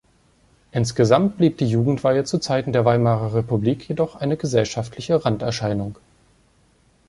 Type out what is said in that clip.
Insgesamt blieb die Jugendweihe zu Zeiten der Weimarer Republik jedoch eine gesellschaftliche Randerscheinung.